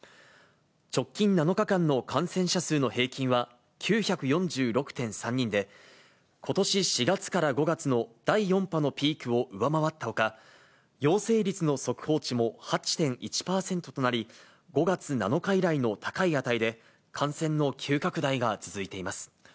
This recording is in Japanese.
直近７日間の感染者数の平均は９４６．３人で、ことし４月から５月の第４波のピークを上回ったほか、陽性率の速報値も８．１％となり、５月７日以来の高い値で、感染の急拡大が続いています。